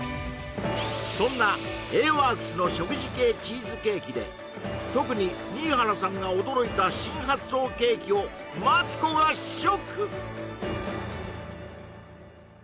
そんなＡＷＯＲＫＳの食事系チーズケーキで特に新原さんが驚いた新発想ケーキをマツコが試食！